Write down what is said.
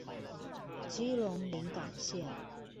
基隆臨港線